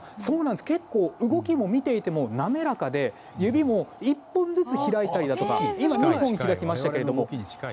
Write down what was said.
結構、動きも見ていても滑らかで指も１本ずつ開いたりだとか今、２本開きましたが。